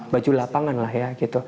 baju lapangan lah ya